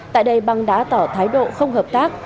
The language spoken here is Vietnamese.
tại đây bang đã tỏ thái độ không hợp tác